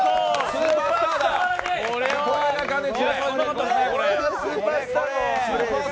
スーパースター、かねち。